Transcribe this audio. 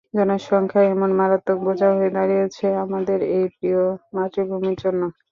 জনসংখ্যা এমন মারাত্মক বোঝা হয়ে দাঁড়িয়েছে আমাদের এই প্রিয় মাতৃভূমির জন্য।